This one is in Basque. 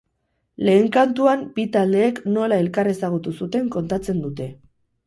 Lehen kantuan bi taldeek nola elkar ezagutu zuten kontatzen dute.